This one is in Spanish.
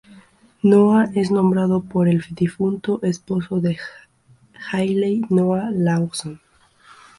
Noah es nombrado por el difunto esposo de Hayley, Noah Lawson.